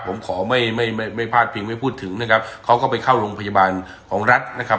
ผมขอไม่ไม่ไม่พลาดพิงไม่พูดถึงนะครับเขาก็ไปเข้าโรงพยาบาลของรัฐนะครับ